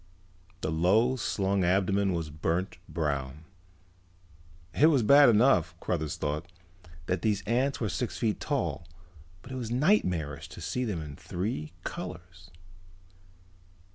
The low slung abdomen was a burnt brown. It was bad enough, Cruthers thought, that these ants were six feet tall, but it was nightmarish to see them in three colors.